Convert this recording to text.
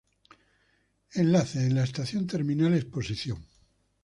Enlace: en la estación Terminal Exposición.